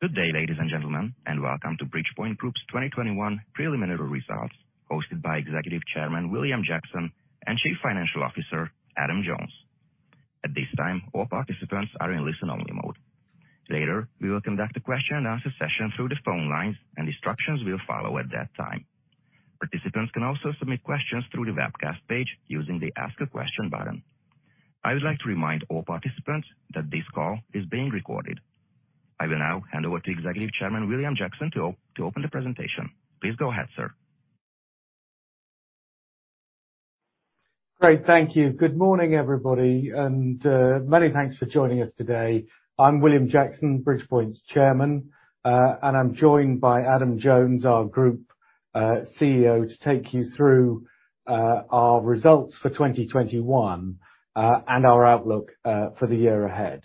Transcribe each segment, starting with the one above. Good day, ladies and gentlemen, and welcome to Bridgepoint Group's 2021 preliminary results, hosted by Executive Chairman William Jackson and Chief Financial Officer Adam Jones. At this time, all participants are in listen-only mode. Later, we will conduct a question and answer session through the phone lines, and instructions will follow at that time. Participants can also submit questions through the webcast page using the Ask a Question button. I would like to remind all participants that this call is being recorded. I will now hand over to Executive Chairman William Jackson to open the presentation. Please go ahead, sir. Great. Thank you. Good morning, everybody, and many thanks for joining us today. I'm William Jackson, Bridgepoint's Chairman, and I'm joined by Adam Jones, our Chief Financial Officer, to take you through our results for 2021 and our outlook for the year ahead.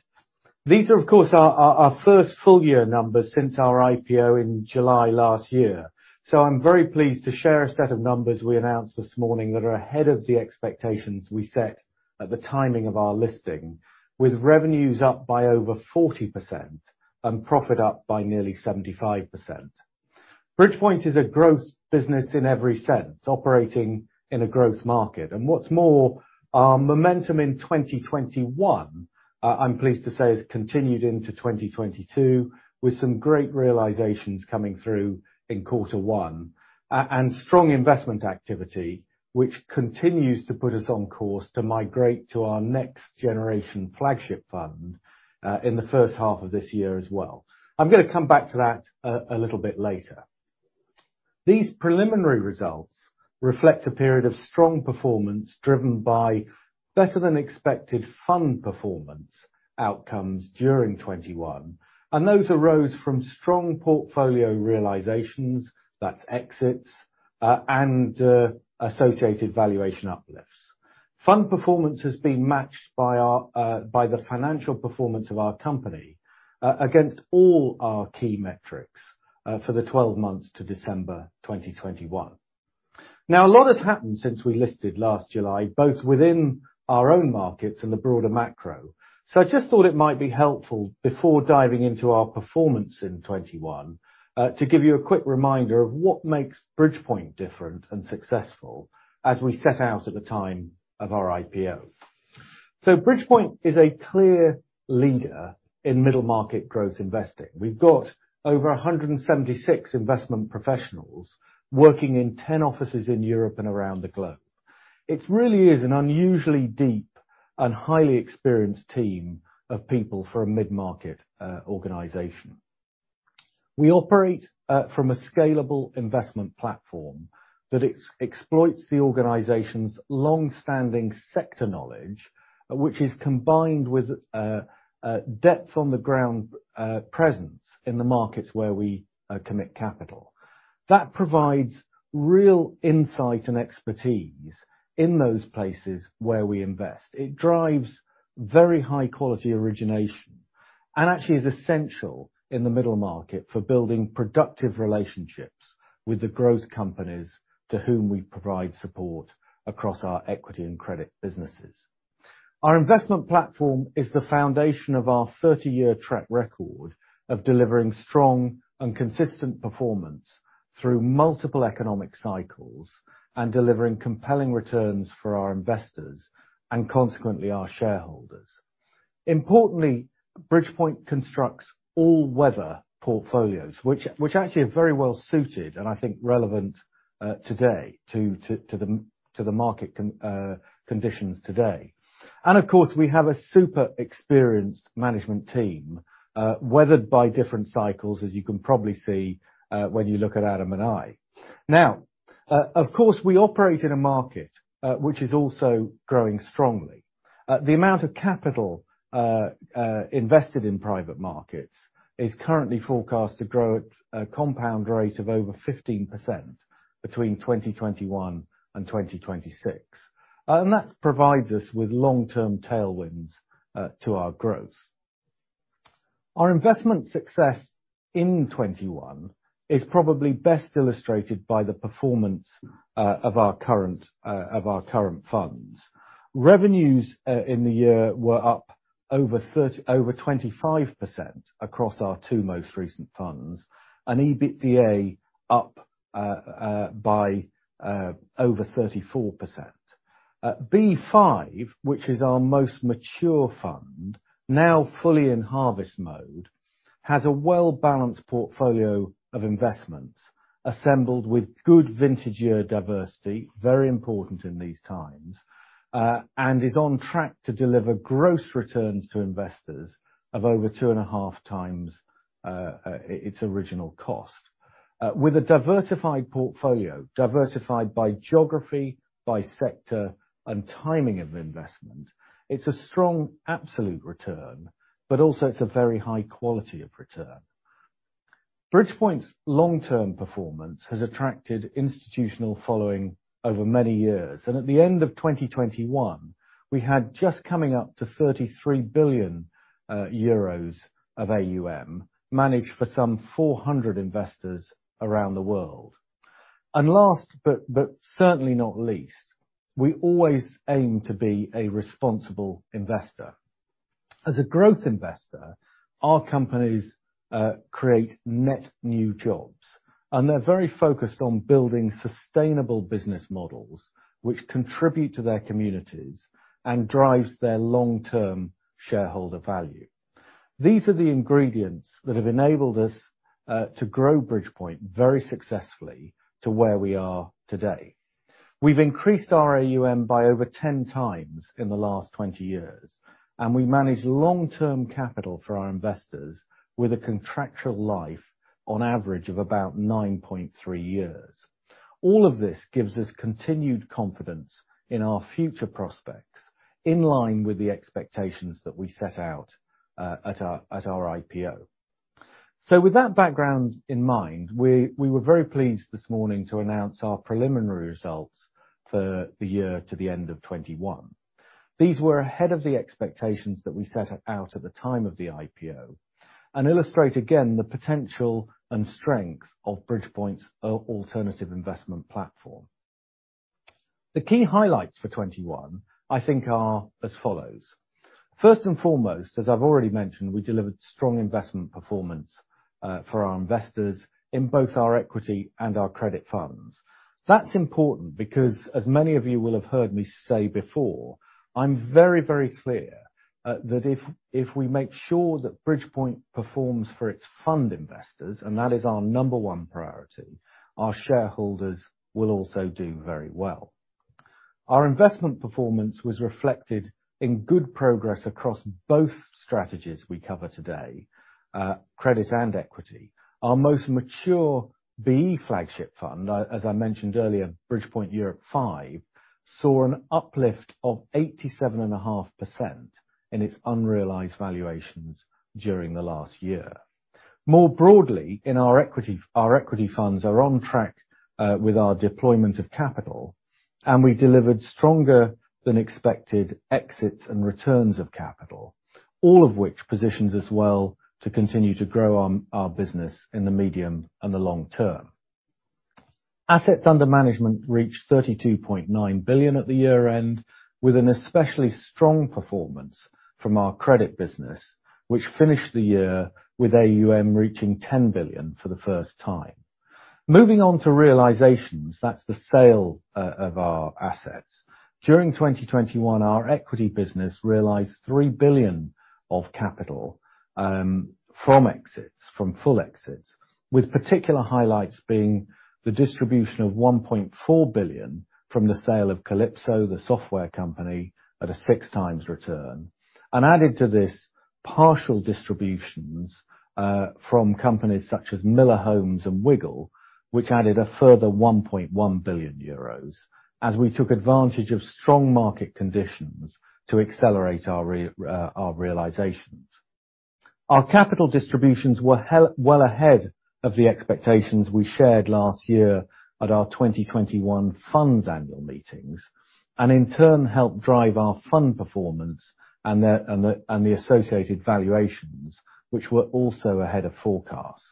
These are, of course, our first full year numbers since our IPO in July last year. I'm very pleased to share a set of numbers we announced this morning that are ahead of the expectations we set at the timing of our listing, with revenues up by over 40% and profit up by nearly 75%. Bridgepoint is a growth business in every sense, operating in a growth market. What's more, our momentum in 2021, I'm pleased to say, has continued into 2022, with some great realizations coming through in quarter one, and strong investment activity, which continues to put us on course to migrate to our next generation flagship fund, in the first half of this year as well. I'm gonna come back to that a little bit later. These preliminary results reflect a period of strong performance driven by better than expected fund performance outcomes during 2021, and those arose from strong portfolio realizations, that's exits, and associated valuation uplifts. Fund performance has been matched by the financial performance of our company, against all our key metrics, for the 12 months to December 2021. Now, a lot has happened since we listed last July, both within our own markets and the broader macro, so I just thought it might be helpful before diving into our performance in 2021, to give you a quick reminder of what makes Bridgepoint different and successful as we set out at the time of our IPO. Bridgepoint is a clear leader in middle market growth investing. We've got over 176 investment professionals working in 10 offices in Europe and around the globe. It really is an unusually deep and highly experienced team of people for a mid-market organization. We operate from a scalable investment platform that exploits the organization's long-standing sector knowledge, which is combined with depth on the ground presence in the markets where we commit capital. That provides real insight and expertise in those places where we invest. It drives very high quality origination and actually is essential in the middle market for building productive relationships with the growth companies to whom we provide support across our equity and credit businesses. Our investment platform is the foundation of our 30 year track record of delivering strong and consistent performance through multiple economic cycles and delivering compelling returns for our investors and consequently, our shareholders. Importantly, Bridgepoint constructs all-weather portfolios, which actually are very well suited, and I think relevant, today to the market conditions today. Of course, we have a super experienced management team, weathered by different cycles, as you can probably see, when you look at Adam and I. Now, of course, we operate in a market, which is also growing strongly. The amount of capital invested in private markets is currently forecast to grow at a compound rate of over 15% between 2021 and 2026. That provides us with long-term tailwinds to our growth. Our investment success in 2021 is probably best illustrated by the performance of our current funds. Revenues in the year were up over 25% across our two most recent funds, and EBITDA up by over 34%. BE V, which is our most mature fund, now fully in harvest mode, has a well-balanced portfolio of investments assembled with good vintage year diversity, very important in these times, and is on track to deliver gross returns to investors of over 2.5x its original cost. With a diversified portfolio, diversified by geography, by sector, and timing of investment, it's a strong absolute return, but also it's a very high quality of return. Bridgepoint's long-term performance has attracted institutional following over many years. At the end of 2021, we had just coming up to 33 billion euros of AUM managed for some 400 investors around the world. Last but certainly not least, we always aim to be a responsible investor. As a growth investor, our companies create net new jobs, and they're very focused on building sustainable business models which contribute to their communities and drives their long-term shareholder value. These are the ingredients that have enabled us to grow Bridgepoint very successfully to where we are today. We've increased our AUM by over 10 times in the last 20 years, and we manage long-term capital for our investors with a contractual life on average of about 9.3 years. All of this gives us continued confidence in our future prospects, in line with the expectations that we set out at our IPO. With that background in mind, we were very pleased this morning to announce our preliminary results for the year to the end of 2021. These were ahead of the expectations that we set out at the time of the IPO and illustrate, again, the potential and strength of Bridgepoint's alternative investment platform. The key highlights for 2021, I think, are as follows. First and foremost, as I've already mentioned, we delivered strong investment performance for our investors in both our equity and our credit funds. That's important because as many of you will have heard me say before, I'm very, very clear that if we make sure that Bridgepoint performs for its fund investors, and that is our number 1 priority, our shareholders will also do very well. Our investment performance was reflected in good progress across both strategies we cover today, credit and equity. Our most mature BE flagship fund, as I mentioned earlier, Bridgepoint Europe V, saw an uplift of 87.5% in its unrealized valuations during the last year. More broadly, in our equity, our equity funds are on track with our deployment of capital, and we delivered stronger than expected exits and returns of capital, all of which positions us well to continue to grow our business in the medium and the long term. Assets under management reached 32.9 billion at the year-end, with an especially strong performance from our credit business, which finished the year with AUM reaching 10 billion for the first time. Moving on to realizations, that's the sale of our assets. During 2021, our equity business realized 3 billion of capital from exits, from full exits, with particular highlights being the distribution of 1.4 billion from the sale of Calypso, the software company, at a 6x return. Added to this, partial distributions from companies such as Miller Homes and Wiggle, which added a further 1.1 billion euros as we took advantage of strong market conditions to accelerate our realizations. Our capital distributions were well ahead of the expectations we shared last year at our 2021 funds annual meetings, and in turn, helped drive our fund performance and the associated valuations, which were also ahead of forecasts.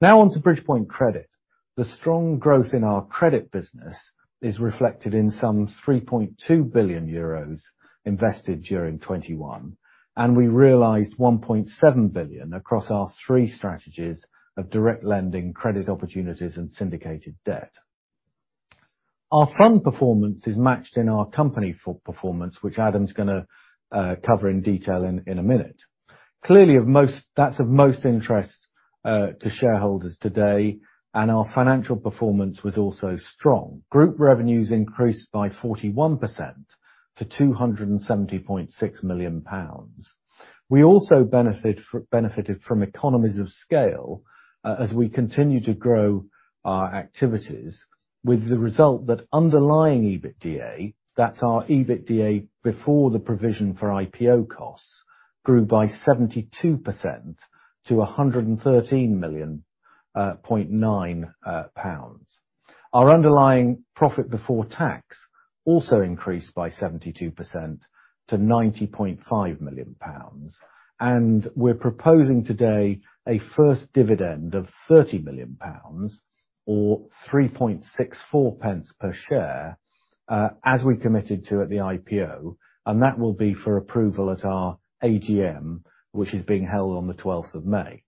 Now on to Bridgepoint Credit. The strong growth in our credit business is reflected in some 3.2 billion euros invested during 2021, and we realized 1.7 billion across our three strategies of direct lending, credit opportunities, and syndicated debt. Our fund performance is matched in our corporate performance, which Adam's gonna cover in detail in a minute. Clearly, that's of most interest to shareholders today, and our financial performance was also strong. Group revenues increased by 41% to 270.6 million pounds. We also benefited from economies of scale, as we continue to grow our activities, with the result that underlying EBITDA, that's our EBITDA before the provision for IPO costs, grew by 72% to 113.9 million. Our underlying profit before tax also increased by 72% to 90.5 million pounds. We're proposing today a first dividend of 30 million pounds or 3.64 pence per share, as we committed to at the IPO, and that will be for approval at our AGM, which is being held on the 12th of May.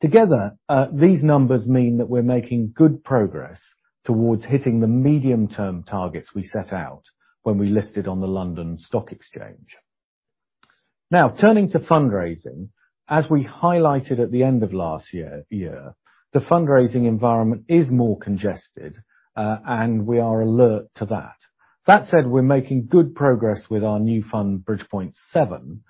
Together, these numbers mean that we're making good progress towards hitting the medium-term targets we set out when we listed on the London Stock Exchange. Now, turning to fundraising, as we highlighted at the end of last year, the fundraising environment is more congested, and we are alert to that. That said, we're making good progress with our new fund, Bridgepoint VII.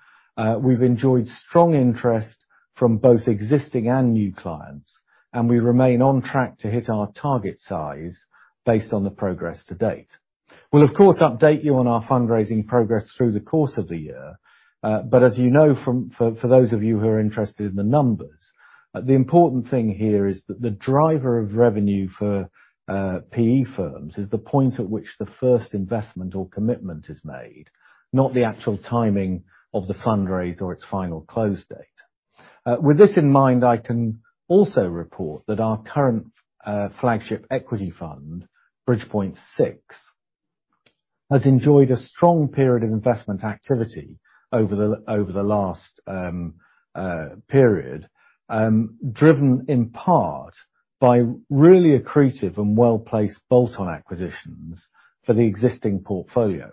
We've enjoyed strong interest from both existing and new clients, and we remain on track to hit our target size based on the progress to date. We'll of course update you on our fundraising progress through the course of the year, but as you know for those of you who are interested in the numbers, the important thing here is that the driver of revenue for PE firms is the point at which the first investment or commitment is made, not the actual timing of the fundraise or its final close date. With this in mind, I can also report that our current flagship equity fund, Bridgepoint VI, has enjoyed a strong period of investment activity over the last period. Driven in part by really accretive and well-placed bolt-on acquisitions for the existing portfolio.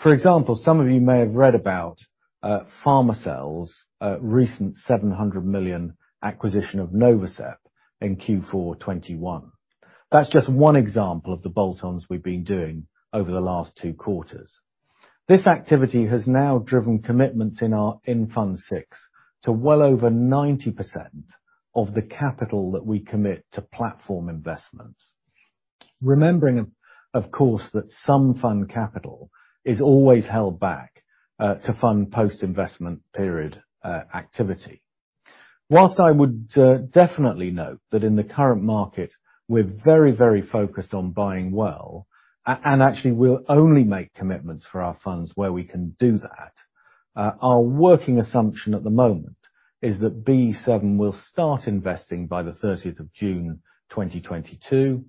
For example, some of you may have read about PharmaZell recent 700 million acquisition of Novasep in Q4 2021. That's just one example of the bolt-ons we've been doing over the last two quarters. This activity has now driven commitments in our Fund VI to well over 90% of the capital that we commit to platform investments. Remembering of course, that some fund capital is always held back to fund post-investment period activity. While I would definitely note that in the current market we're very, very focused on buying well, and actually we'll only make commitments for our funds where we can do that. Our working assumption at the moment is that BE VII will start investing by the thirtieth of June 2022,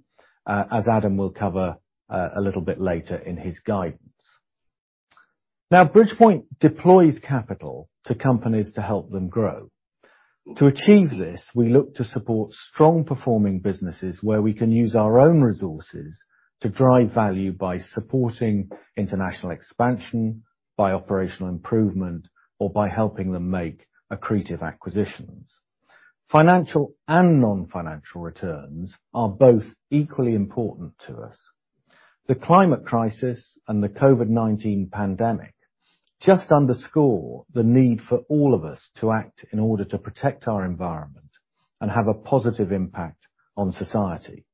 as Adam will cover a little bit later in his guidance. Now, Bridgepoint deploys capital to companies to help them grow. To achieve this, we look to support strong performing businesses where we can use our own resources to drive value by supporting international expansion, by operational improvement, or by helping them make accretive acquisitions. Financial and non-financial returns are both equally important to us. The climate crisis and the COVID-19 pandemic just underscore the need for all of us to act in order to protect our environment and have a positive impact on society,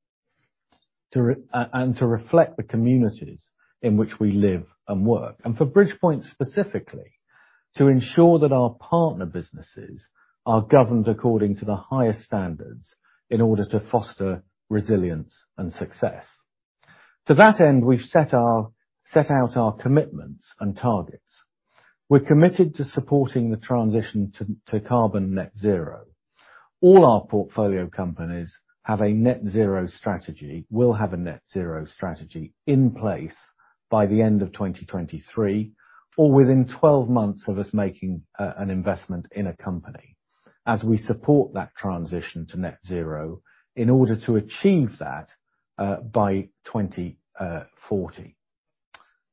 and to reflect the communities in which we live and work. For Bridgepoint specifically, to ensure that our partner businesses are governed according to the highest standards in order to foster resilience and success. To that end, we've set out our commitments and targets. We're committed to supporting the transition to carbon net zero. All our portfolio companies have a net zero strategy, will have a net zero strategy in place by the end of 2023, or within 12 months of us making an investment in a company, as we support that transition to net zero in order to achieve that by 2040.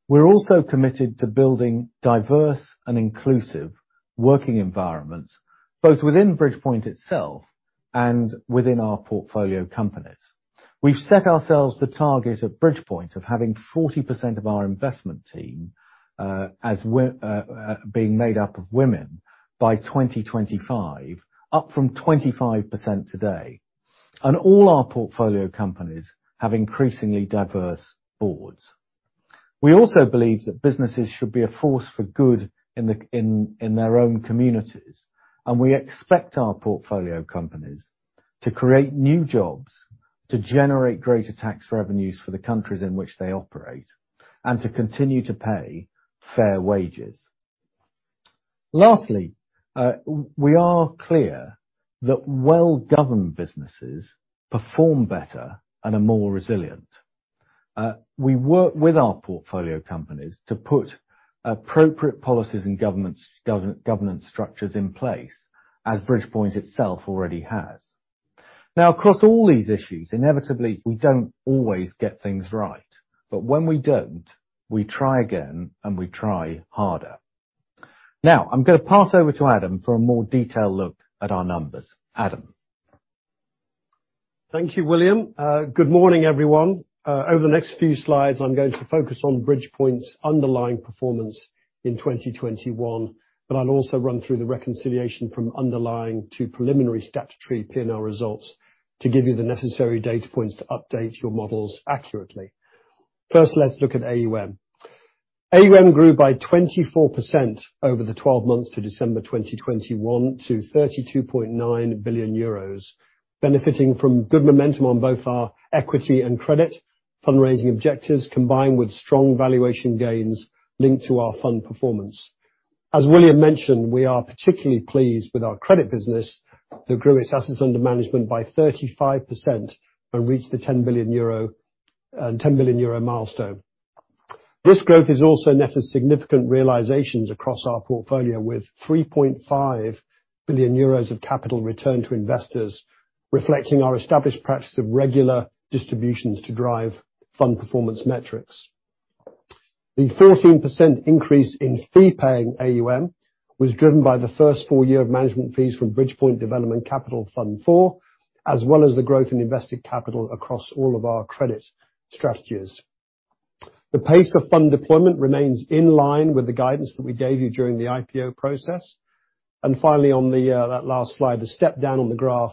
We're also committed to building diverse and inclusive working environments, both within Bridgepoint itself and within our portfolio companies. We've set ourselves the target at Bridgepoint of having 40% of our investment team being made up of women by 2025, up from 25% today. All our portfolio companies have increasingly diverse boards. We also believe that businesses should be a force for good in their own communities, and we expect our portfolio companies to create new jobs, to generate greater tax revenues for the countries in which they operate, and to continue to pay fair wages. Lastly, we are clear that well-governed businesses perform better and are more resilient. We work with our portfolio companies to put appropriate policies and governance structures in place, as Bridgepoint itself already has. Now, across all these issues, inevitably, we don't always get things right. When we don't, we try again and we try harder. Now, I'm gonna pass over to Adam for a more detailed look at our numbers. Adam. Thank you, William. Good morning, everyone. Over the next few slides, I'm going to focus on Bridgepoint's underlying performance in 2021, but I'll also run through the reconciliation from underlying to preliminary statutory P&L results to give you the necessary data points to update your models accurately. First, let's look at AUM. AUM grew by 24% over the 12 months to December 2021 to 32.9 billion euros, benefiting from good momentum on both our equity and credit fundraising objectives, combined with strong valuation gains linked to our fund performance. As William mentioned, we are particularly pleased with our credit business that grew its assets under management by 35% and reached the EUR 10 billion milestone. This growth has also netted significant realizations across our portfolio, with 3.5 billion euros of capital returned to investors, reflecting our established practice of regular distributions to drive fund performance metrics. The 14% increase in fee-paying AUM was driven by the first full year of management fees from Bridgepoint Development Capital IV, as well as the growth in invested capital across all of our credit strategies. The pace of fund deployment remains in line with the guidance that we gave you during the IPO process. Finally, on that last slide, the step down on the graph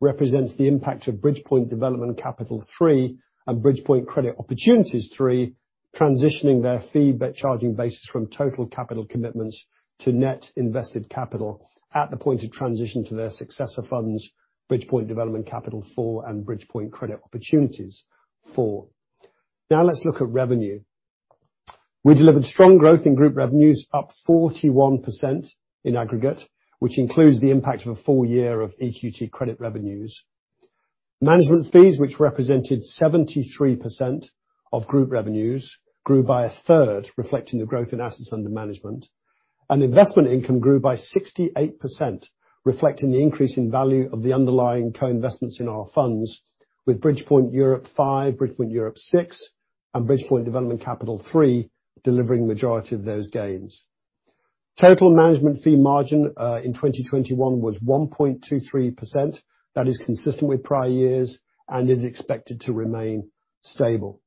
represents the impact of Bridgepoint Development Capital III and Bridgepoint Credit Opportunities III, transitioning their fee-charging basis from total capital commitments to net invested capital at the point of transition to their successor funds, Bridgepoint Development Capital IV and Bridgepoint Credit Opportunities IV. Now let's look at revenue. We delivered strong growth in group revenues, up 41% in aggregate, which includes the impact of a full year of EQT Credit revenues. Management fees, which represented 73% of group revenues, grew by a third, reflecting the growth in assets under management. Investment income grew by 68%, reflecting the increase in value of the underlying co-investments in our funds, with Bridgepoint Europe V, Bridgepoint Europe VI, and Bridgepoint Development Capital III delivering the majority of those gains. Total management fee margin in 2021 was 1.23%. That is consistent with prior years and is expected to remain stable.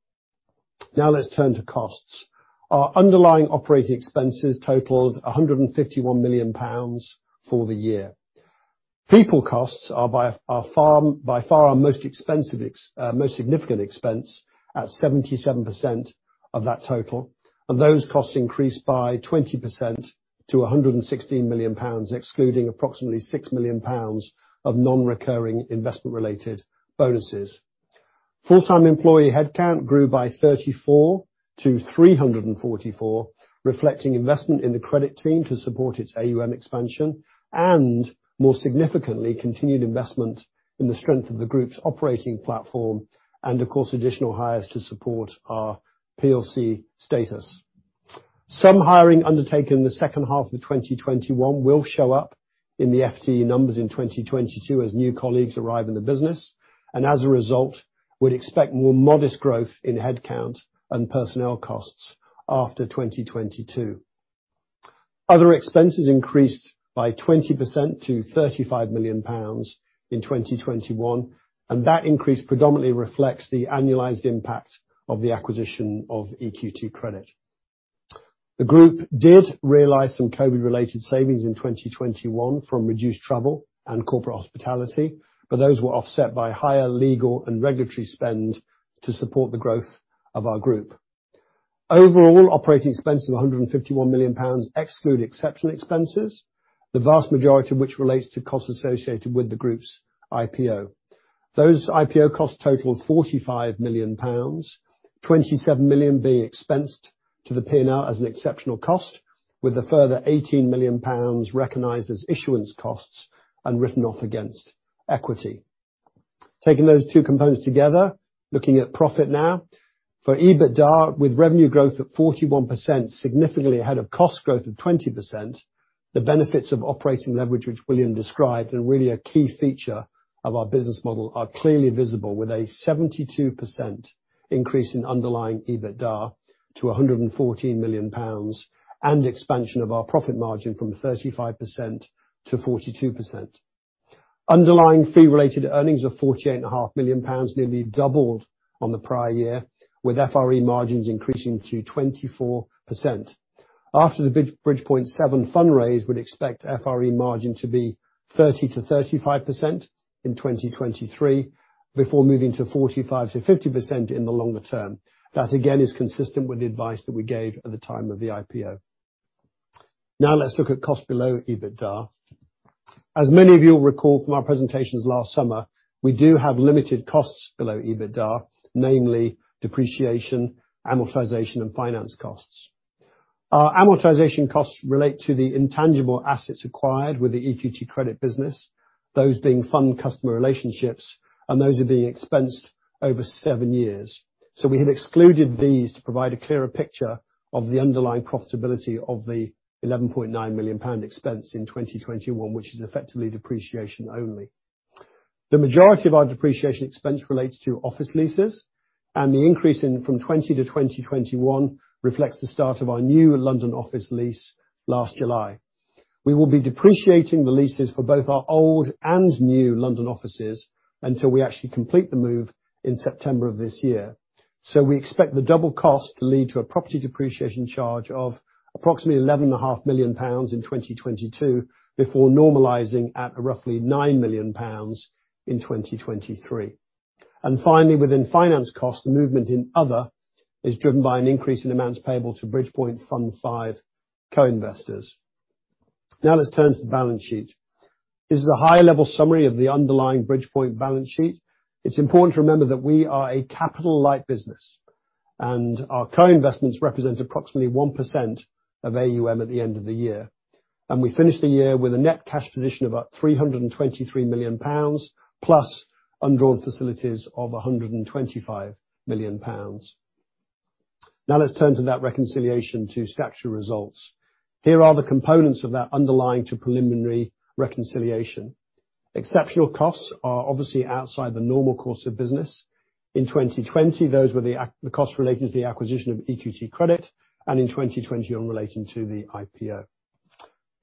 Now let's turn to costs. Our underlying operating expenses totaled 151 million pounds for the year. People costs are by far our most expensive, most significant expense at 77% of that total. Those costs increased by 20% to 116 million pounds, excluding approximately 6 million pounds of non-recurring investment related bonuses. Full-time employee headcount grew by 34 to 344, reflecting investment in the credit team to support its AUM expansion, and more significantly, continued investment in the strength of the group's operating platform and of course, additional hires to support our PLC status. Some hiring undertaken in the second half of 2021 will show up in the FTE numbers in 2022 as new colleagues arrive in the business. As a result, we'd expect more modest growth in headcount and personnel costs after 2022. Other expenses increased by 20% to 35 million pounds in 2021, and that increase predominantly reflects the annualized impact of the acquisition of EQT Credit. The group did realize some COVID-19-related savings in 2021 from reduced travel and corporate hospitality, but those were offset by higher legal and regulatory spend to support the growth of our group. Overall, operating expense of 151 million pounds excludes exceptional expenses, the vast majority of which relates to costs associated with the group's IPO. Those IPO costs totaled 45 million pounds, 27 million being expensed to the P&L as an exceptional cost, with a further 18 million pounds recognized as issuance costs and written off against equity. Taking those two components together, looking at profit now. For EBITDA, with revenue growth at 41%, significantly ahead of cost growth of 20%, the benefits of operating leverage, which William described, and really a key feature of our business model, are clearly visible with a 72% increase in underlying EBITDA to 114 million pounds, and expansion of our profit margin from 35%-42%. Underlying fee-related earnings of 48 and a half million nearly doubled on the prior year, with FRE margins increasing to 24%. After the Bridgepoint Europe VII fundraise, we'd expect FRE margin to be 30%-35% in 2023, before moving to 45%-50% in the longer term. That, again, is consistent with the advice that we gave at the time of the IPO. Now let's look at cost below EBITDA. As many of you will recall from our presentations last summer, we do have limited costs below EBITDA, namely depreciation, amortization, and finance costs. Our amortization costs relate to the intangible assets acquired with the EQT Credit business, those being fund customer relationships, and those are being expensed over seven years. We have excluded these to provide a clearer picture of the underlying profitability of the 11.9 million pound expense in 2021, which is effectively depreciation only. The majority of our depreciation expense relates to office leases, and the increase from 2020 to 2021 reflects the start of our new London office lease last July. We will be depreciating the leases for both our old and new London offices until we actually complete the move in September of this year. We expect the double cost to lead to a property depreciation charge of approximately 11.5 million pounds in 2022, before normalizing at roughly 9 million pounds in 2023. Finally, within finance costs, the movement in other is driven by an increase in amounts payable to Bridgepoint Europe V co-investors. Now let's turn to the balance sheet. This is a high-level summary of the underlying Bridgepoint balance sheet. It's important to remember that we are a capital-light business, and our co-investments represent approximately 1% of AUM at the end of the year. We finished the year with a net cash position of about 323 million pounds, plus undrawn facilities of 125 million pounds. Now let's turn to that reconciliation to statutory results. Here are the components of that underlying to preliminary reconciliation. Exceptional costs are obviously outside the normal course of business. In 2020, those were the costs related to the acquisition of EQT Credit, and in 2020 relating to the IPO.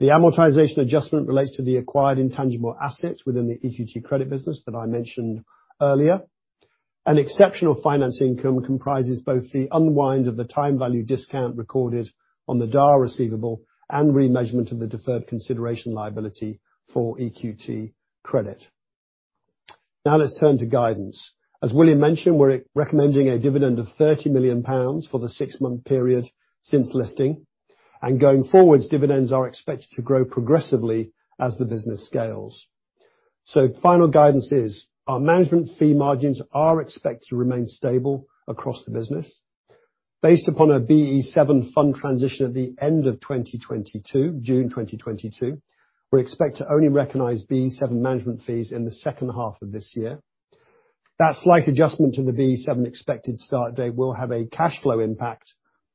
The amortization adjustment relates to the acquired intangible assets within the EQT Credit business that I mentioned earlier. Exceptional financing income comprises both the unwind of the time value discount recorded on the DCA receivable and remeasurement of the deferred consideration liability for EQT Credit. Now let's turn to guidance. As William mentioned, we're recommending a dividend of 30 million pounds for the six month period since listing. Going forward, dividends are expected to grow progressively as the business scales. Final guidance is our management fee margins are expected to remain stable across the business. Based upon a BE VII fund transition at the end of 2022, June 2022, we expect to only recognize BE VII management fees in the second half of this year. That slight adjustment to the BE VII expected start date will have a cash flow impact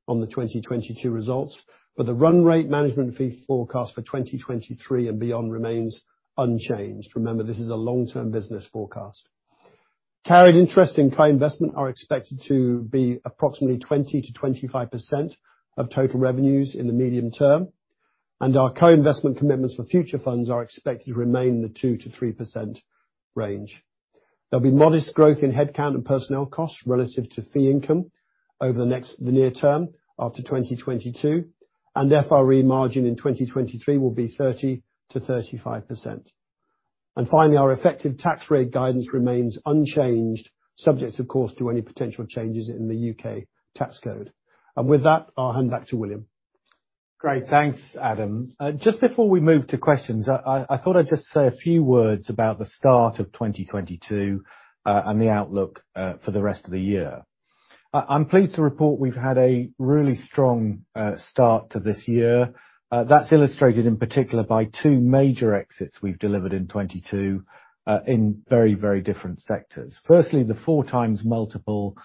on the 2022 results, but the run rate management fee forecast for 2023 and beyond remains unchanged. Remember, this is a long-term business forecast. Carried interest and co-investment are expected to be approximately 20%-25% of total revenues in the medium term, and our co-investment commitments for future funds are expected to remain in the 2%-3% range. There'll be modest growth in headcount and personnel costs relative to fee income over the near term after 2022, and FRE margin in 2023 will be 30%-35%. Finally, our effective tax rate guidance remains unchanged, subject of course, to any potential changes in the U.K. tax code. With that, I'll hand back to William. Great. Thanks, Adam. Just before we move to questions, I thought I'd just say a few words about the start of 2022 and the outlook for the rest of the year. I'm pleased to report we've had a really strong start to this year. That's illustrated in particular by two major exits we've delivered in 2022 in very different sectors. Firstly, the 4x multiple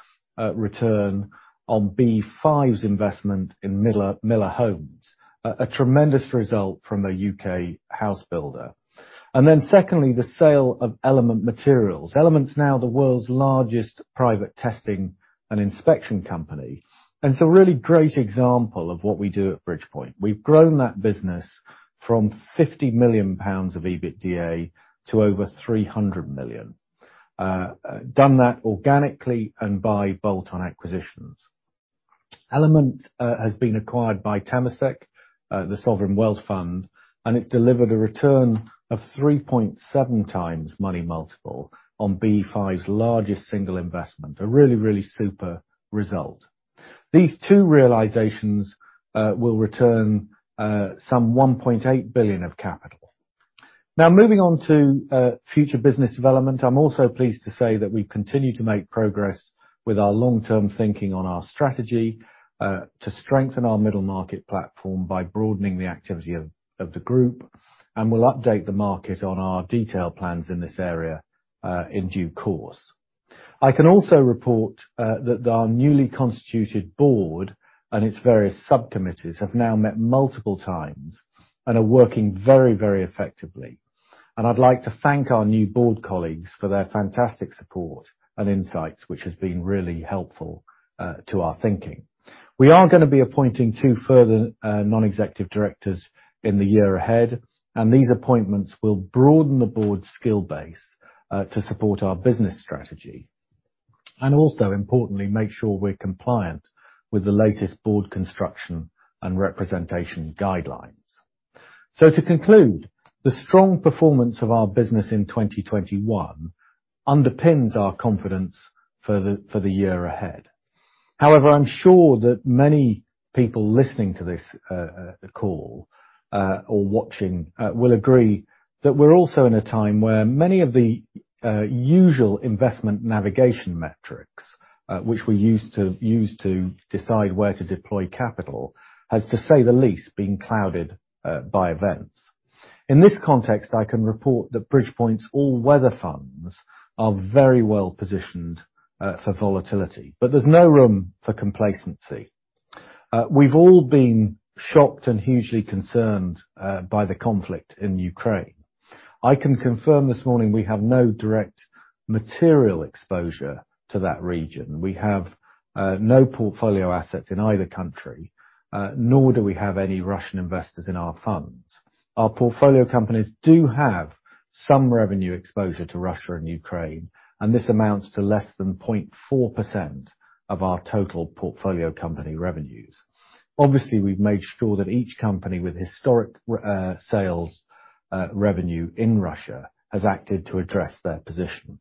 return on BE V investment in Miller Homes. A tremendous result from a U.K. house builder. Then secondly, the sale of Element Materials Technology. Element's now the world's largest private testing and inspection company. It's a really great example of what we do at Bridgepoint. We've grown that business from 50 million pounds of EBITDA to over 300 million, done that organically and by bolt-on acquisitions. Element has been acquired by Temasek, the sovereign wealth fund, and it's delivered a return of 3.7x money multiple on BE V largest single investment. A really super result. These two realizations will return some 1.8 billion of capital. Now moving on to future business development. I'm also pleased to say that we continue to make progress with our long-term thinking on our strategy to strengthen our middle market platform by broadening the activity of the group, and we'll update the market on our detailed plans in this area in due course. I can also report that our newly constituted board and its various sub-committees have now met multiple times and are working very effectively. I'd like to thank our new board colleagues for their fantastic support and insights, which has been really helpful to our thinking. We are gonna be appointing two further non-executive directors in the year ahead, and these appointments will broaden the board's skill base to support our business strategy. Also, importantly, make sure we're compliant with the latest board construction and representation guidelines. To conclude, the strong performance of our business in 2021 underpins our confidence for the year ahead. However, I'm sure that many people listening to this call or watching will agree that we're also in a time where many of the usual investment navigation metrics which we use to decide where to deploy capital has, to say the least, been clouded by events. In this context, I can report that Bridgepoint's all-weather funds are very well positioned for volatility, but there's no room for complacency. We've all been shocked and hugely concerned by the conflict in Ukraine. I can confirm this morning we have no direct material exposure to that region. We have no portfolio assets in either country, nor do we have any Russian investors in our funds. Our portfolio companies do have some revenue exposure to Russia and Ukraine, and this amounts to less than 0.4% of our total portfolio company revenues. Obviously, we've made sure that each company with historic sales revenue in Russia has acted to address their position.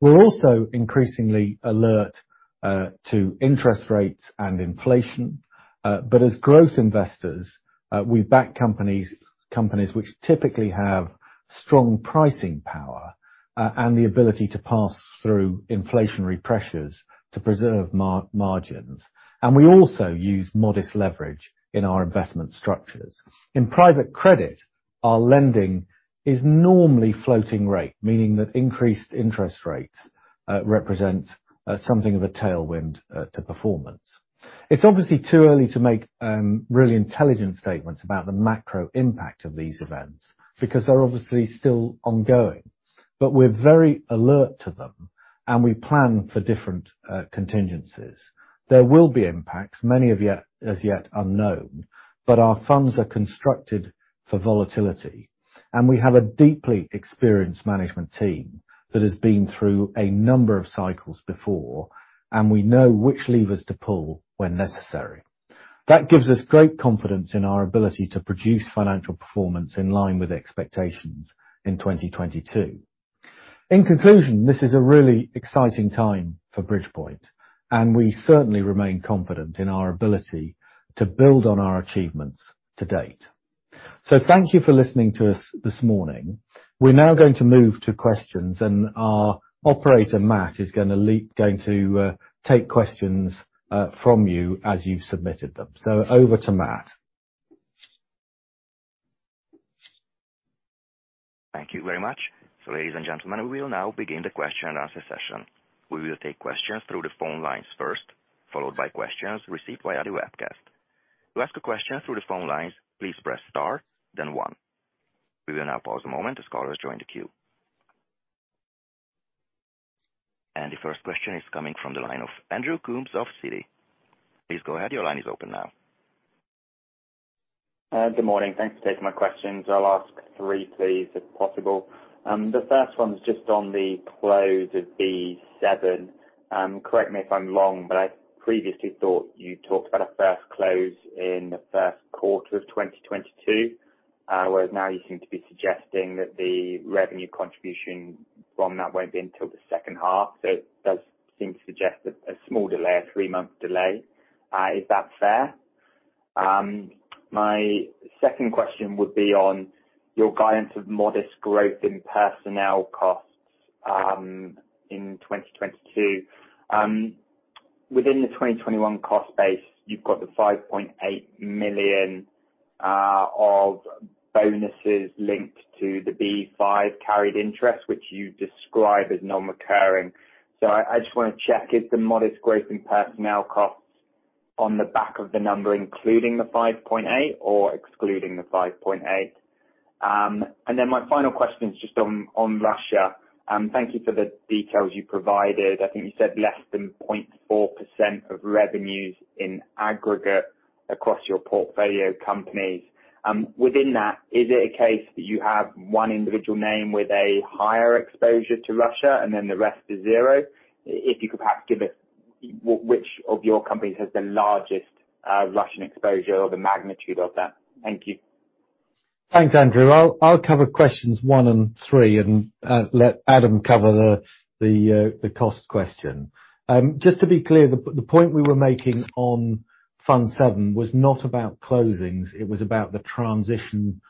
We're also increasingly alert to interest rates and inflation, but as growth investors, we back companies which typically have strong pricing power and the ability to pass through inflationary pressures to preserve margins. We also use modest leverage in our investment structures. In private credit, our lending is normally floating rate, meaning that increased interest rates represent something of a tailwind to performance. It's obviously too early to make really intelligent statements about the macro impact of these events because they're obviously still ongoing, but we're very alert to them, and we plan for different contingencies. There will be impacts, many of which are as yet unknown, but our funds are constructed for volatility, and we have a deeply experienced management team that has been through a number of cycles before, and we know which levers to pull when necessary. That gives us great confidence in our ability to produce financial performance in line with expectations in 2022. In conclusion, this is a really exciting time for Bridgepoint, and we certainly remain confident in our ability to build on our achievements to date. Thank you for listening to us this morning. We're now going to move to questions, and our operator, Matt, is going to take questions from you as you submitted them. Over to Matt. Thank you very much. Ladies and gentlemen, we will now begin the question and answer session. We will take questions through the phone lines first, followed by questions received via the webcast. To ask a question through the phone lines, please press star, then one. We will now pause a moment as callers join the queue. The first question is coming from the line of Andrew Coombs of Citi. Please go ahead. Your line is open now. Good morning. Thanks for taking my questions. I'll ask three please, if possible. The first one is just on the close of BE VII. Correct me if I'm wrong, but I previously thought you talked about a first close in the first quarter of 2022. Whereas now you seem to be suggesting that the revenue contribution from that won't be until the second half. It does seem to suggest a small delay, a three month delay. Is that fair? My second question would be on your guidance of modest growth in personnel costs in 2022. Within the 2021 cost base, you've got 5.8 million of bonuses linked to the BE V carried interest, which you describe as non-recurring. I just wanna check if the modest growth in personnel costs on the back of the number, including the 5.8 or excluding the 5.8. And then my final question is just on Russia. Thank you for the details you provided. I think you said less than 0.4% of revenues in aggregate across your portfolio companies. Within that, is it a case that you have one individual name with a higher exposure to Russia and then the rest is zero? If you could perhaps give us which of your companies has the largest Russian exposure or the magnitude of that. Thank you. Thanks, Andrew. I'll cover questions one and three and let Adam cover the cost question. Just to be clear, the point we were making on Fund seven was not about closings, it was about the transition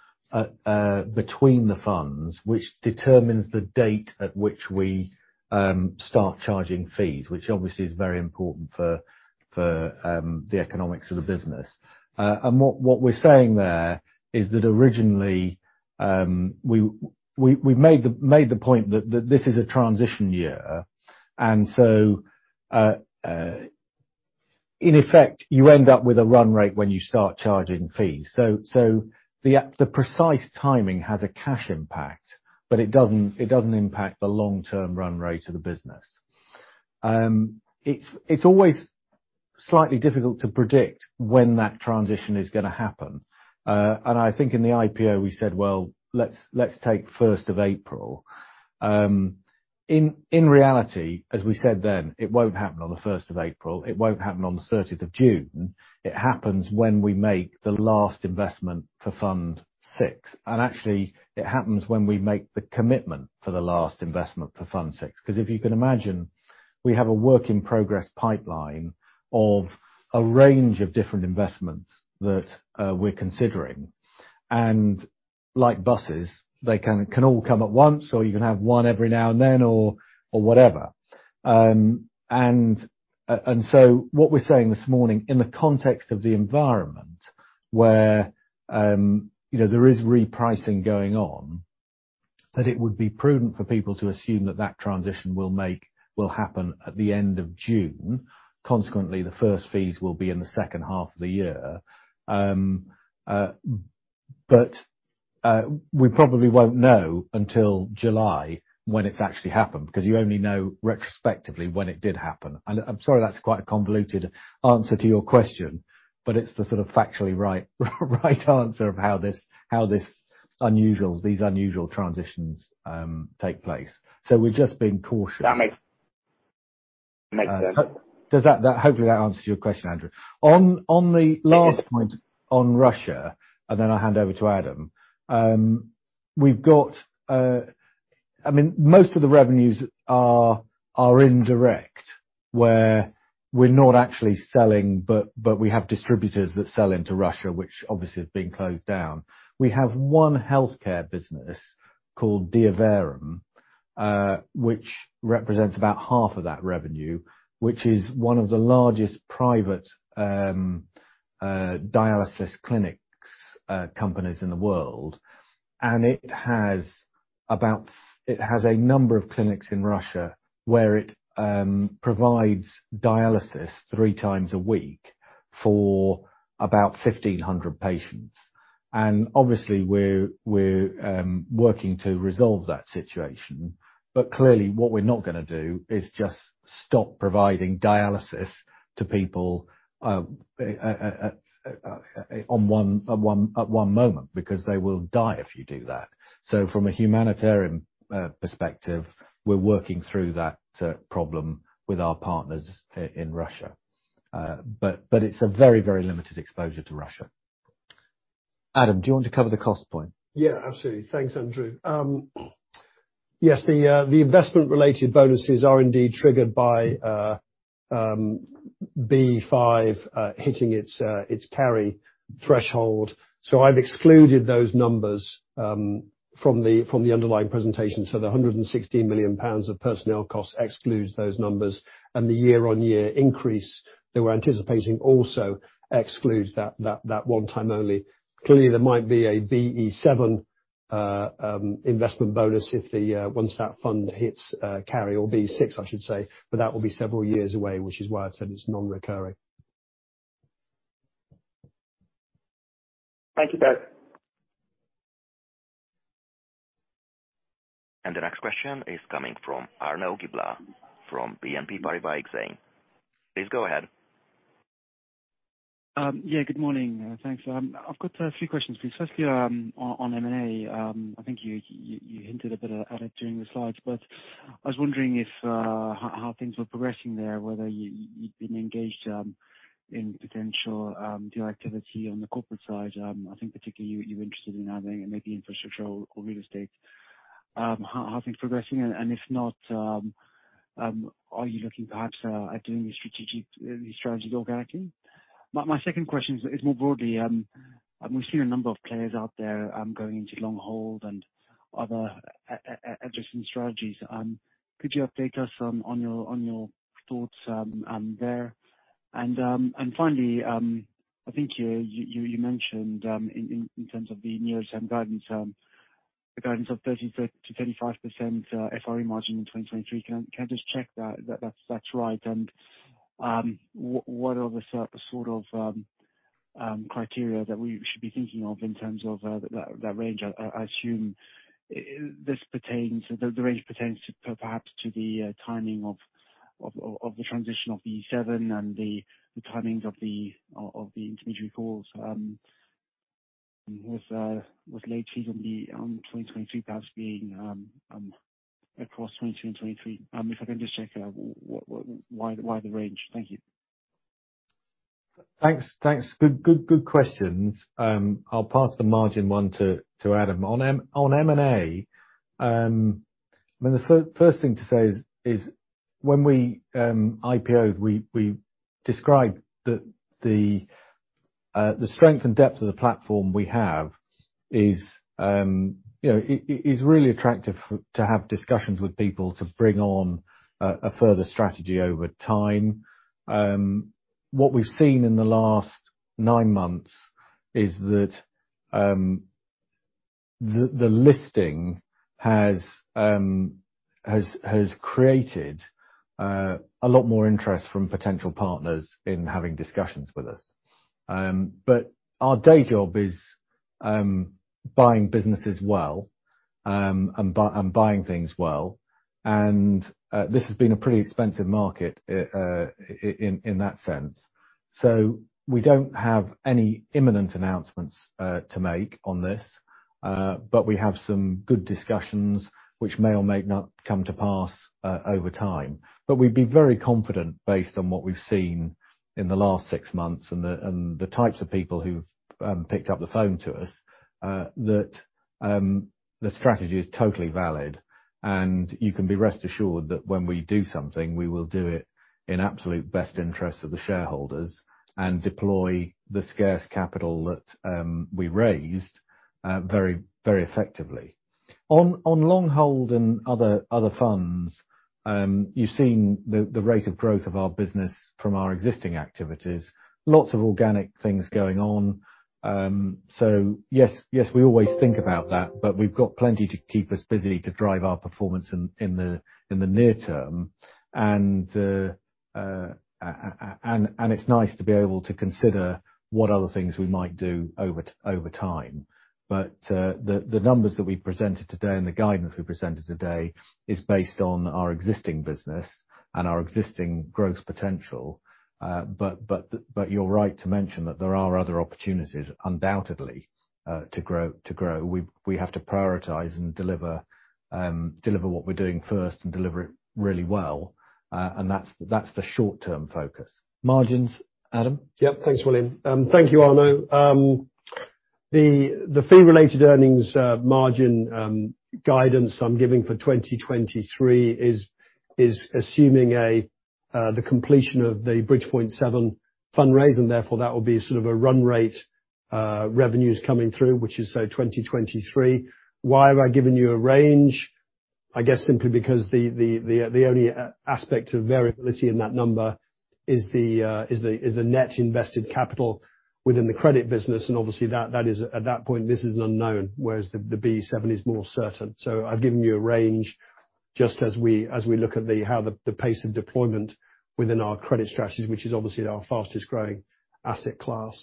between the funds, which determines the date at which we start charging fees, which obviously is very important for the economics of the business. What we're saying there is that originally, we made the point that this is a transition year. In effect, you end up with a run rate when you start charging fees. The precise timing has a cash impact, but it doesn't impact the long-term run rate of the business. It's always slightly difficult to predict when that transition is gonna happen. I think in the IPO, we said, "Well, let's take first of April." In reality, as we said then, it won't happen on the 1st of April, it won't happen on the 13th of June. It happens when we make the last investment for Fund VI. Actually, it happens when we make the commitment for the last investment for Fund VI. 'Cause if you can imagine, we have a work in progress pipeline of a range of different investments that we're considering. Like buses, they can all come at once, or you can have one every now and then or whatever. What we're saying this morning in the context of the environment where, you know, there is repricing going on, that it would be prudent for people to assume that transition will happen at the end of June. Consequently, the first fees will be in the second half of the year. We probably won't know until July when it's actually happened, because you only know retrospectively when it did happen. I'm sorry, that's quite a convoluted answer to your question, but it's the sort of factually right answer of how these unusual transitions take place. We're just being cautious. That makes sense. Hopefully, that answers your question, Andrew. On the last point. It does. on Russia, and then I'll hand over to Adam. I mean, most of the revenues are indirect, where we're not actually selling, but we have distributors that sell into Russia, which obviously have been closed down. We have one healthcare business called Diaverum, which represents about half of that revenue, which is one of the largest private dialysis clinics companies in the world. It has a number of clinics in Russia where it provides dialysis three times a week for about 1,500 patients. Obviously, we're working to resolve that situation. But clearly, what we're not gonna do is just stop providing dialysis to people at one moment because they will die if you do that. From a humanitarian perspective, we're working through that problem with our partners in Russia. But it's a very, very limited exposure to Russia. Adam, do you want to cover the cost point? Yeah, absolutely. Thanks, Andrew. Yes, the investment related bonuses are indeed triggered by BE V hitting its carry threshold. I've excluded those numbers from the underlying presentation. The 160 million pounds of personnel costs excludes those numbers. The year-on-year increase that we're anticipating also excludes that one time only. Clearly, there might be a BE VII investment bonus if once that fund hits carry or BE VI, I should say, but that will be several years away, which is why I've said it's non-recurring. Thank you, guys. The next question is coming from Arnaud Giblat, from BNP Paribas Exane. Please go ahead. Yeah, good morning. Thanks. I've got a few questions, please. Firstly, on M&A, I think you hinted a bit at it during the slides, but I was wondering if how things were progressing there, whether you'd been engaged in potential deal activity on the corporate side. I think particularly you're interested in having maybe infrastructure or real estate. How are things progressing? And if not, are you looking perhaps at doing the strategy organically? My second question is more broadly, we've seen a number of players out there going into long hold and other addressing strategies. Could you update us on your thoughts there? Finally, I think you mentioned in terms of the near-term guidance, the guidance of 30%-25% FRE margin in 2023. Can I just check that's right? What are the sort of criteria that we should be thinking of in terms of that range? I assume this pertains, the range pertains to, perhaps to the timing of the transition of BE VII and the timings of the intermediary calls with closings on the 2023, perhaps being across 2022 and 2023. If I can just check, why the range? Thank you. Thanks. Good questions. I'll pass the margin one to Adam. On M&A, I mean, the first thing to say is when we IPO'd, we described that the strength and depth of the platform we have is, you know, really attractive to have discussions with people to bring on a further strategy over time. What we've seen in the last nine months is that the listing has created a lot more interest from potential partners in having discussions with us. But our day job is buying businesses well and buying things well. This has been a pretty expensive market in that sense. We don't have any imminent announcements to make on this, but we have some good discussions which may or may not come to pass over time. We'd be very confident based on what we've seen in the last six months and the types of people who've picked up the phone to us that the strategy is totally valid. You can be rest assured that when we do something, we will do it in absolute best interest of the shareholders and deploy the scarce capital that we raised very, very effectively. On long hold and other funds, you've seen the rate of growth of our business from our existing activities, lots of organic things going on. Yes, we always think about that, but we've got plenty to keep us busy to drive our performance in the near term. It's nice to be able to consider what other things we might do over time. The numbers that we presented today and the guidance we presented today is based on our existing business and our existing growth potential. You're right to mention that there are other opportunities undoubtedly to grow. We have to prioritize and deliver what we're doing first and deliver it really well. That's the short-term focus. Margins, Adam? Thanks, William. Thank you, Arnaud. The fee-related earnings margin guidance I'm giving for 2023 is assuming the completion of the Bridgepoint VII fundraising, therefore, that would be sort of a run rate revenues coming through, which is say 2023. Why have I given you a range? I guess simply because the only aspect of variability in that number is the net invested capital within the credit business, and obviously that is at that point this is an unknown, whereas the BE VII is more certain. I've given you a range just as we look at how the pace of deployment within our credit strategies, which is obviously our fastest-growing asset class.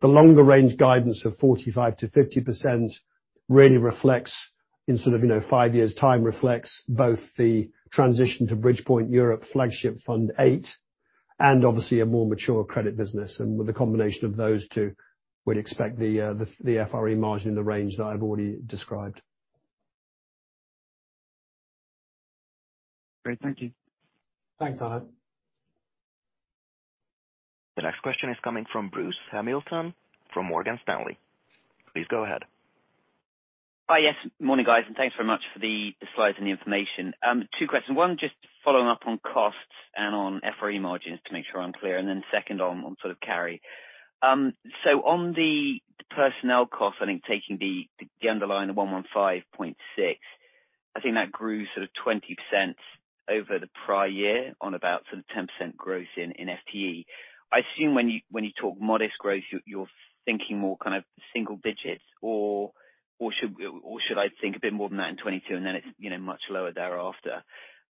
The longer range guidance of 45%-50% really reflects in sort of, you know, five years' time reflects both the transition to Bridgepoint Europe VIII, and obviously a more mature credit business. With the combination of those two, we'd expect the FRE margin in the range that I've already described. Great. Thank you. Thanks, Arnaud. The next question is coming from Bruce Hamilton from Morgan Stanley. Please go ahead. Hi. Yes. Morning, guys, and thanks very much for the slides and the information. Two questions. One, just following up on costs and on FRE margins to make sure I'm clear, and then second on sort of carry. On the personnel cost, I think taking the underlying, the 115.6, I think that grew sort of 20% over the prior year on about sort of 10% growth in FTE. I assume when you talk modest growth, you're thinking more kind of single digits or should I think a bit more than that in 2022 and then it's, you know, much lower thereafter.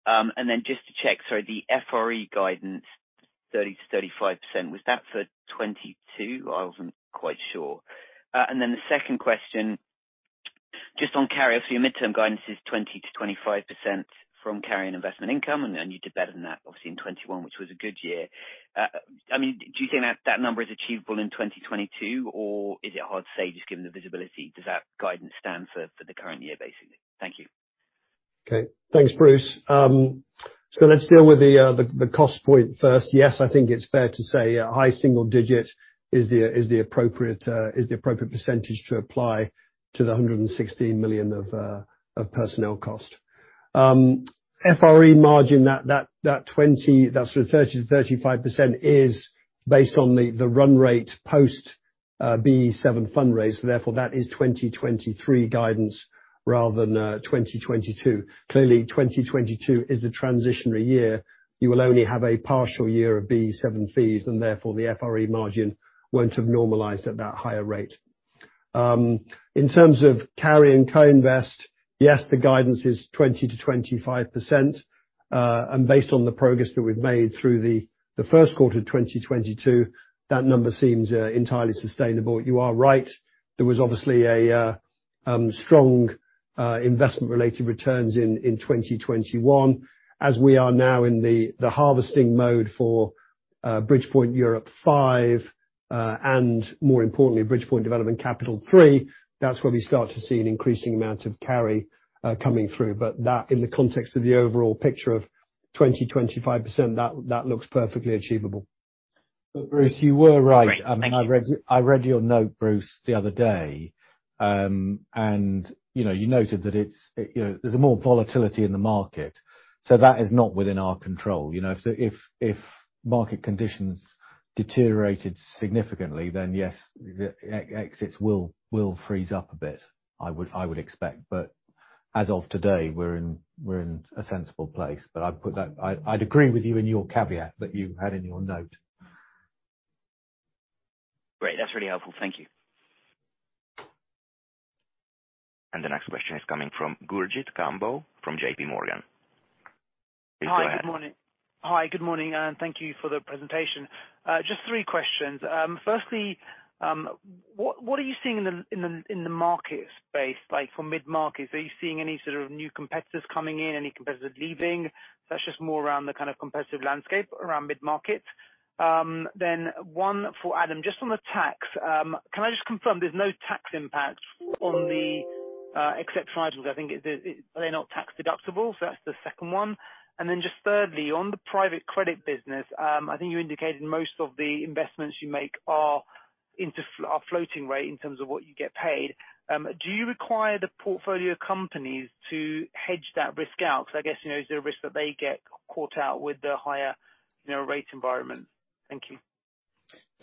Then just to check, so the FRE guidance, 30%-35%, was that for 2022? I wasn't quite sure. The second question, just on carry. Your mid-term guidance is 20%-25% from carry and investment income, and you did better than that obviously in 2021, which was a good year. I mean, do you think that number is achievable in 2022, or is it hard to say just given the visibility? Does that guidance stand for the current year, basically? Thank you. Okay. Thanks, Bruce. Let's deal with the cost point first. Yes, I think it's fair to say a high single digit is the appropriate percentage to apply to the 116 million of personnel cost. FRE margin, that sort of 30%-35% is based on the run rate post BE VII fundraise, therefore that is 2023 guidance rather than 2022. Clearly, 2022 is the transitional year. You will only have a partial year of BE VII fees, and therefore the FRE margin won't have normalized at that higher rate. In terms of carry and co-invest, yes, the guidance is 20%-25%. Based on the progress that we've made through the first quarter of 2022, that number seems entirely sustainable. You are right. There was obviously a strong investment-related returns in 2021. As we are now in the harvesting mode for Bridgepoint Europe V, and more importantly, Bridgepoint Development Capital III, that's where we start to see an increasing amount of carry coming through. That in the context of the overall picture of 25%, that looks perfectly achievable. Bruce, you were right. Great. Thank you. I read your note, Bruce, the other day, and you know, you noted that it's, you know, there's more volatility in the market. That is not within our control, you know. If market conditions deteriorated significantly, then yes, the exits will freeze up a bit, I would expect. As of today, we're in a sensible place. I'd put that. I'd agree with you in your caveat that you had in your note. Great. That's really helpful. Thank you. The next question is coming from Gurjit Kambo from J.P. Morgan. Please go ahead. Hi, good morning. Hi, good morning, and thank you for the presentation. Just three questions. Firstly, what are you seeing in the market space, like for mid-market? Are you seeing any sort of new competitors coming in? Any competitors leaving? That's just more around the kind of competitive landscape around mid-market. Then one for Adam, just on the tax, can I just confirm there's no tax impact on the exceptionals? I think they are not tax-deductible? That's the second one. Then just thirdly, on the private credit business, I think you indicated most of the investments you make are floating rate in terms of what you get paid. Do you require the portfolio companies to hedge that risk out? I guess, you know, is there a risk that they get caught out with the higher, you know, rate environment? Thank you.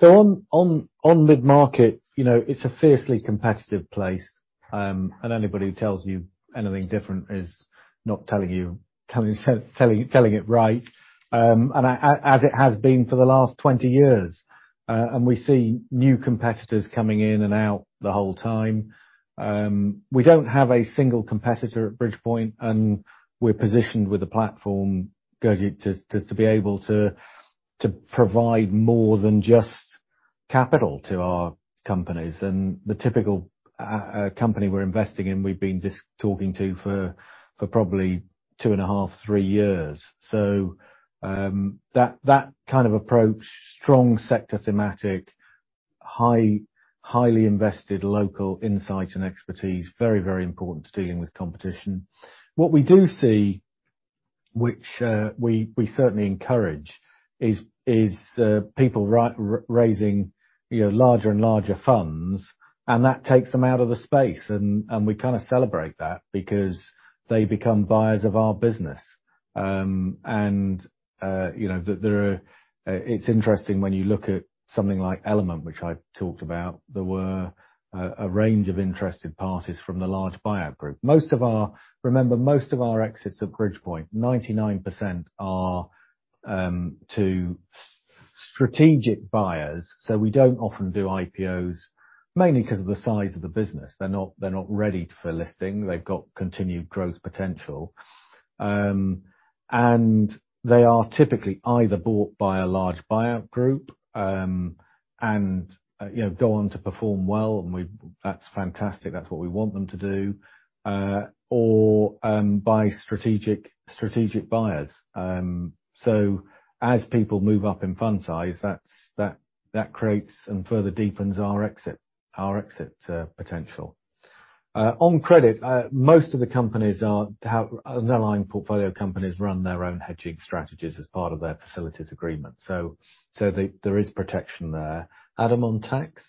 On mid-market, you know, it's a fiercely competitive place, and anybody who tells you anything different is not telling you it right, and as it has been for the last 20 years. We see new competitors coming in and out the whole time. We don't have a single competitor at Bridgepoint, and we're positioned with a platform, Gurjit, to be able to provide more than just capital to our companies. The typical company we're investing in, we've been just talking to for probably two and a half, three years. That kind of approach, strong sector thematic, highly invested local insight and expertise, very important to dealing with competition. What we do see, which we certainly encourage, is people raising, you know, larger and larger funds, and that takes them out of the space and we kinda celebrate that because they become buyers of our business. You know, it's interesting when you look at something like Element, which I talked about. There were a range of interested parties from the large buyout group. Remember, most of our exits at Bridgepoint, 99% are to strategic buyers, so we don't often do IPOs, mainly 'cause of the size of the business. They're not ready for listing. They've got continued growth potential. They are typically either bought by a large buyout group, you know, go on to perform well, and that's fantastic. That's what we want them to do by strategic buyers. As people move up in fund size, that creates and further deepens our exit potential. On credit, most of the companies have underlying portfolio companies run their own hedging strategies as part of their facilities agreement. So they there is protection there. Adam, on tax?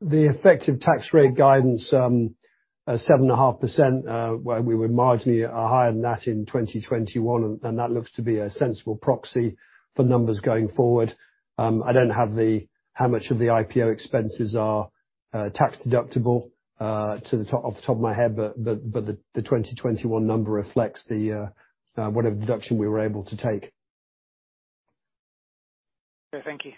The effective tax rate guidance at 7.5%, we were marginally higher than that in 2021, and that looks to be a sensible proxy for numbers going forward. I don't have how much of the IPO expenses are tax-deductible off the top of my head, but the 2021 number reflects whatever deduction we were able to take. Okay, thank you.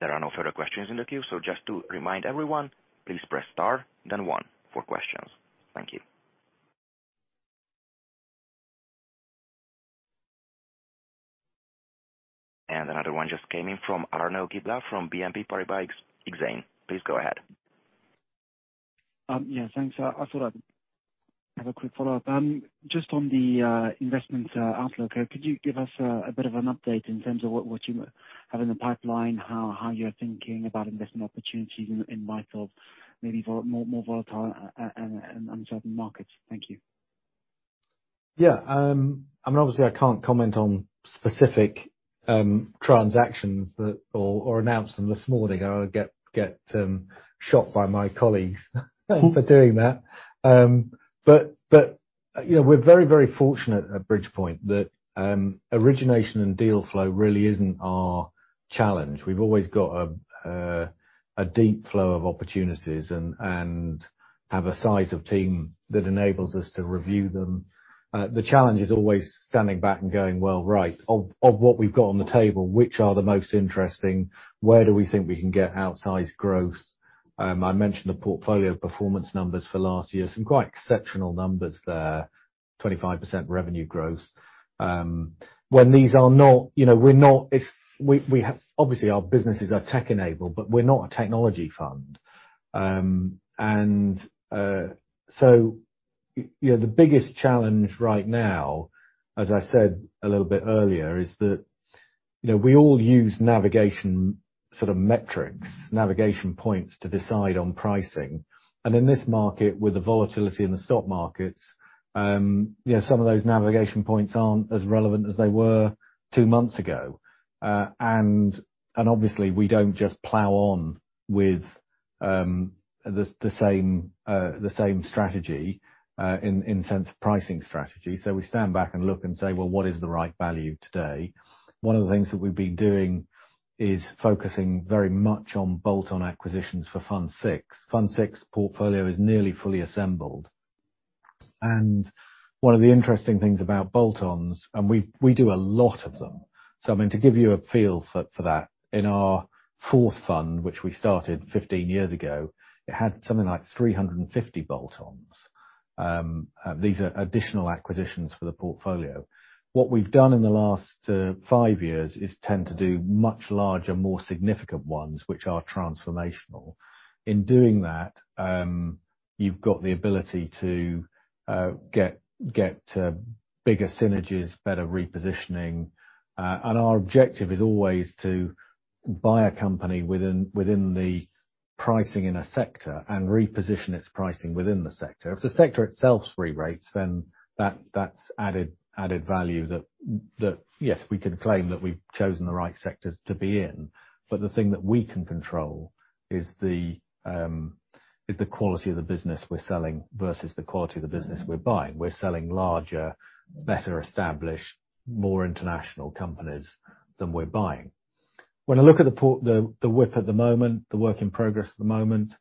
There are no further questions in the queue, so just to remind everyone, please press star then one for questions. Thank you. Another one just came in from Arnaud Giblat from BNP Paribas Exane. Please go ahead. Yeah, thanks. I thought I'd have a quick follow-up. Just on the investment outlook, could you give us a bit of an update in terms of what you have in the pipeline? How you're thinking about investment opportunities in light of maybe more volatile and uncertain markets? Thank you. Yeah. I mean, obviously, I can't comment on specific transactions or announce them this morning. I'll get shot by my colleagues for doing that. You know, we're very fortunate at Bridgepoint that origination and deal flow really isn't our challenge. We've always got a deep flow of opportunities and have a size of team that enables us to review them. The challenge is always standing back and going, "Well, right, of what we've got on the table, which are the most interesting? Where do we think we can get outsized growth?" I mentioned the portfolio performance numbers for last year. Some quite exceptional numbers there, 25% revenue growth.. When these are not you know, obviously, our businesses are tech-enabled, but we're not a technology fund. You know, the biggest challenge right now, as I said a little bit earlier, is that we all use navigation sort of metrics, navigation points to decide on pricing. In this market, with the volatility in the stock markets, some of those navigation points aren't as relevant as they were two months ago. Obviously, we don't just plow on with the same strategy in terms of pricing strategy. We stand back and look and say, "Well, what is the right value today?" One of the things that we've been doing is focusing very much on bolt-on acquisitions for Fund VI. Fund VI portfolio is nearly fully assembled. One of the interesting things about bolt-ons, and we do a lot of them. I mean, to give you a feel for that, in our fourth fund, which we started 15 years ago, it had something like 350 bolt-ons. These are additional acquisitions for the portfolio. What we've done in the last five years is tend to do much larger, more significant ones, which are transformational. In doing that, you've got the ability to get bigger synergies, better repositioning. Our objective is always to buy a company within the pricing in a sector and reposition its pricing within the sector. If the sector itself rewrites, then that's added value that yes, we can claim that we've chosen the right sectors to be in, but the thing that we can control is the quality of the business we're selling versus the quality of the business we're buying. We're selling larger, better established, more international companies than we're buying. When I look at the WIP at the moment, the work in progress at the moment,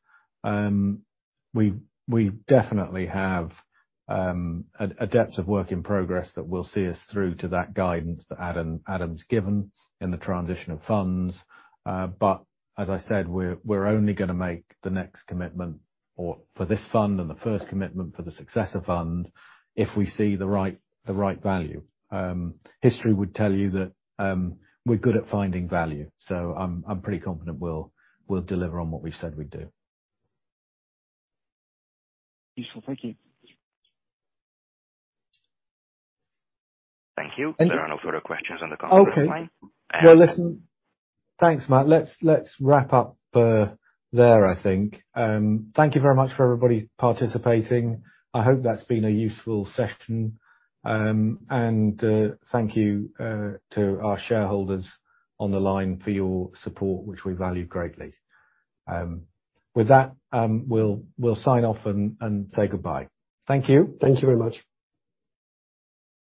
we definitely have a depth of work in progress that will see us through to that guidance that Adam's given in the transition of funds. As I said, we're only gonna make the next commitment for this fund and the first commitment for the successor fund if we see the right value. History would tell you that, we're good at finding value, so I'm pretty confident we'll deliver on what we've said we'd do. Useful. Thank you. Thank you. Thank you. There are no further questions on the conference line. Okay. And- No, listen. Thanks, Matt. Let's wrap up there, I think. Thank you very much for everybody participating. I hope that's been a useful session. Thank you to our shareholders on the line for your support, which we value greatly. With that, we'll sign off and say goodbye. Thank you. Thank you very much.